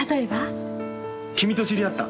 君と知り合った。